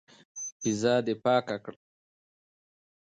پېزه دي پاکه کړه.